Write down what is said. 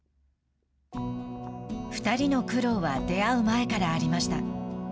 ２人の苦労は出会う前からありました。